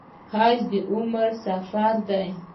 حج د عمر سفر دی